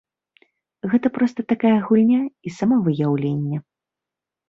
Гэта проста такая гульня і самавыяўленне.